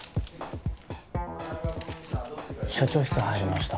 社長室入りました。